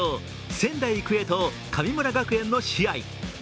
仙台育英と神村学園の試合。